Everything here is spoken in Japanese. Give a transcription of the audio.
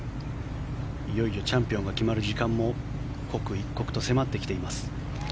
いよいよチャンピオンが決まる時間も刻一刻と迫ってきています。